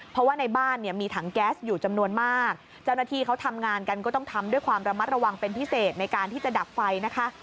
เพราะว่าในบ้านเนี่ยมีถังแก๊สอยู่จำนวนมากเจ้าหน้าที่เขาทำงานกันก็ต้องทำด้วยความระมัดระวังเป็นพิเศษในการที่จะดับไฟนะคะ